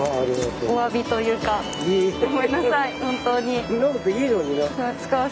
ごめんなさい本当に。